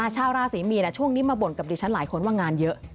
ชาวราศรีมีนช่วงนี้มาบ่นกับดิฉันหลายคนว่างานเยอะ